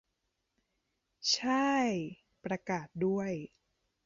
ช่าย ประกาศด้วย